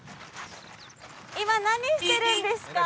今何してるんですか？